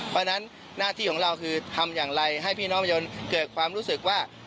เพราะฉะนั้นหน้าที่ของเราคือทำอย่างไรให้พี่น้องประชาชนเกิดความรู้สึกว่า